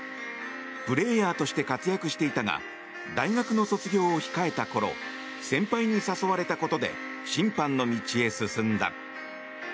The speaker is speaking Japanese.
プレーヤーとして活躍していたが大学の卒業を控えた頃先輩に誘われたことで審判の道に進んだ。